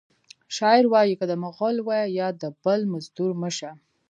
شاعر وایی که د مغل وي یا د بل مزدور مه شه